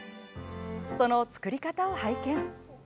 その作り方を拝見。